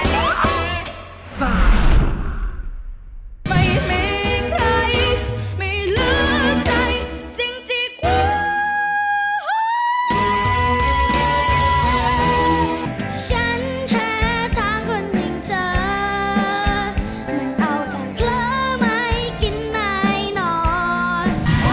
ฉันแท้จากความยิ่งเจอมันเอาแต่เงื่อไหมกินนายนอน